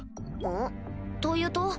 ん？というと？